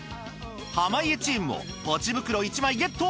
濱家チームもポチ袋１枚ゲット！